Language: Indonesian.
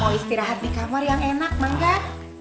mau istirahat di kamar yang enak enggak